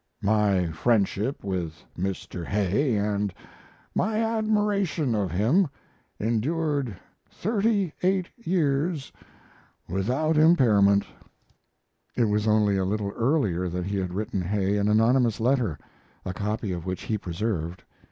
My friendship with Mr. Hay & my admiration of him endured 38 years without impairment. It was only a little earlier that he had written Hay an anonymous letter, a copy of which he preserved.